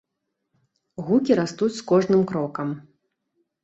Гукі растуць з кожным крокам.